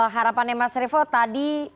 harapannya mas revo tadi